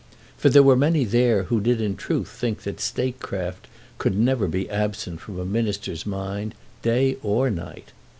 For there were many there who did in truth think that statecraft could never be absent from a minister's mind, day or night.